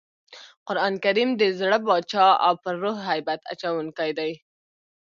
قرانکریم د زړه باچا او پر روح هیبت اچوونکی دئ.